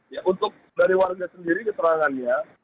ya untuk dari warga sendiri keterangannya